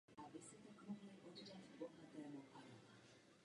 Obýval indický subkontinent v období miocénu.